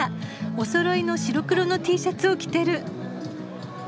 おそろいの白黒のＴシャツを着てる。